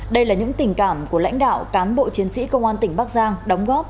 đây là những tình cảm của lãnh đạo cán bộ chiến sĩ công an tỉnh bắc giang đóng góp